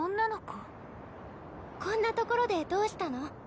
こんな所でどうしたの？